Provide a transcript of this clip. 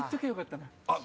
あっ！